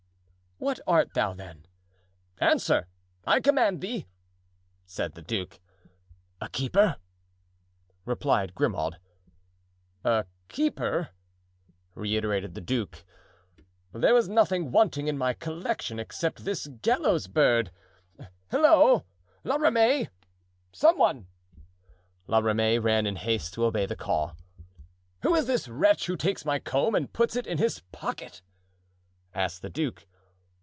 "What art thou, then? Answer! I command thee!" said the duke. "A keeper," replied Grimaud. "A keeper!" reiterated the duke; "there was nothing wanting in my collection, except this gallows bird. Halloo! La Ramee! some one!" La Ramee ran in haste to obey the call. "Who is this wretch who takes my comb and puts it in his pocket?" asked the duke.